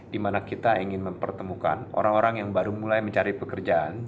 dimana kita ingin mempertemukan orang orang yang baru mulai mencari pekerjaan